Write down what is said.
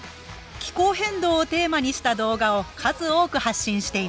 気候変動をテーマにした動画を数多く発信しています